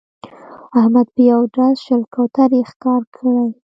احمد په یوه ډز شل کوترې ښکار کړې